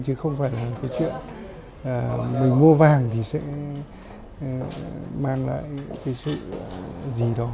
chứ không phải là cái chuyện mình mua vàng thì sẽ mang lại cái sự gì đó